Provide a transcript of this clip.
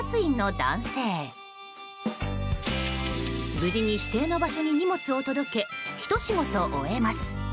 無事に指定の場所に荷物を届けひと仕事終えます。